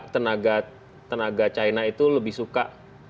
tenaga tenaga china itu lebih suka